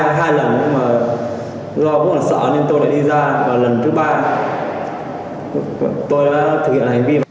nhưng mà do bố là sợ nên tôi lại đi ra và lần thứ ba tôi đã thực hiện hành vi